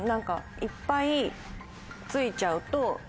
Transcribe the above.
いっぱいついちゃうと。